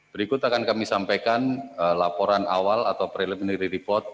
berikut akan kami sampaikan laporan awal atau preliminary report